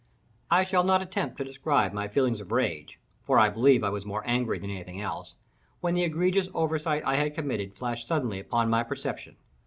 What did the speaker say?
I shall not attempt to describe my feelings of rage (for I believe I was more angry than any thing else) when the egregious oversight I had committed flashed suddenly upon my perception.